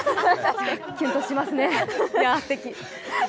キュンとしますね、すてき。